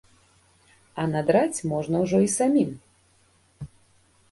А надраць можна ўжо і самім.